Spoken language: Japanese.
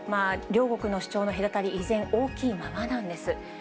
両国の主張の隔たり、依然、大きいままなんです。